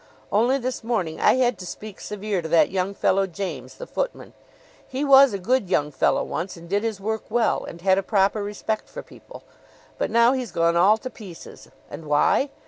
"Only this morning I had to speak severe to that young fellow, James, the footman. He was a good young fellow once and did his work well, and had a proper respect for people; but now he's gone all to pieces. And why?